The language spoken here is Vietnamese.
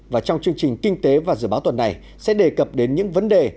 và trong chương trình kinh tế và dự báo tuần này sẽ đề cập đến những vấn đề